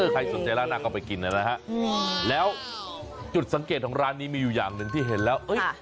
ใครสนใจร้านหน้าก็ไปกินนะฮะแล้วจุดสังเกตของร้านนี้มีอยู่อย่างหนึ่งที่เห็นแล้ว